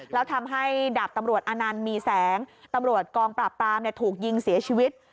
แล้วทำให้ดาบตำรวจอนันต์มีแสงตำรวจกองปราบปรามถูกยิงเสียชีวิต